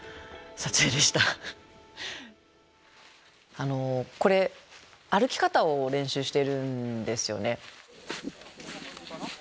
あのこれ歩き方を練習してるんですよね。